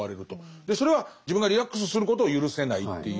それは自分がリラックスすることを許せないっていう。